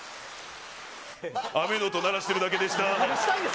雨の音流してるだけでした。